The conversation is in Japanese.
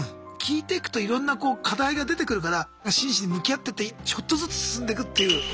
聞いてくといろんなこう課題が出てくるから真摯に向き合ってってちょっとずつ進んでくっていう。